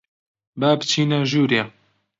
با بچینە ژوورێ.